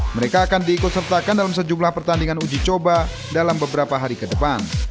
mereka akan diikut sertakan dalam sejumlah pertandingan uji coba dalam beberapa hari ke depan